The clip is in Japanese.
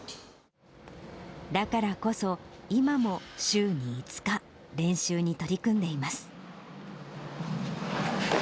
だからこそ、今も週に５日、練習に取り組んでいます。